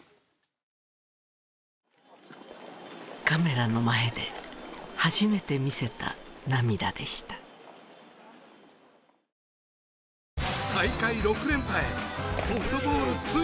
カメラの前で初めて見せた涙でしたあーーー！